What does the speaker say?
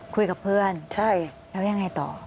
คุยกับเพื่อนแล้วยังไงต่อใช่